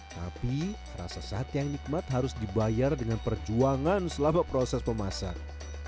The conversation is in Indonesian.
tapi rasa sate yang nikmat harus dibayar dengan perjuangan selama proses memasak